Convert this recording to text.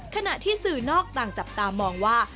ขณะที่สื่อนอกต่างจับตามองว่า